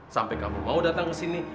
sampai kamu mau datang kesini